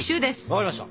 分かりました。